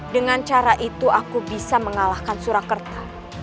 dengan cara itu aku bisa mengalahkan surakarta